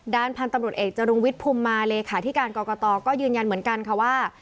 พันธุ์ตำรวจเอกจรุงวิทย์ภูมิมาเลขาธิการกรกตก็ยืนยันเหมือนกันค่ะว่า